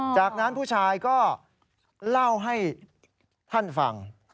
จากนั้นผู้ชายก็เล่าให้ท่านฟัง